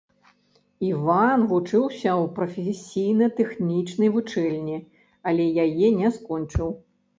Іван вучыўся ў прафесійна-тэхнічнай вучэльні, але яе не скончыў.